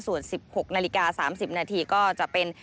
ส่วน๑๖นาฬิกา๓๐นาทีก็จะเป็น